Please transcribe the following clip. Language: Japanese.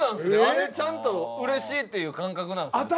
あれちゃんとうれしいっていう感覚なんですね。